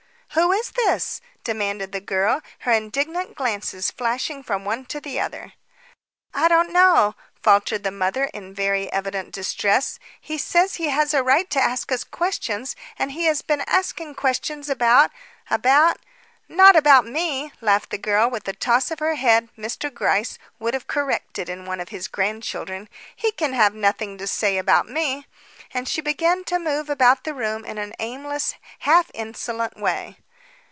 "Who is this?" demanded the girl, her indignant glances flashing from one to the other. "I don't know," faltered the mother in very evident distress. "He says he has a right to ask us questions and he has been asking questions about about " "Not about me," laughed the girl, with a toss of her head Mr. Gryce would have corrected in one of his grandchildren. "He can have nothing to say about me." And she began to move about the room in an aimless, half insolent way.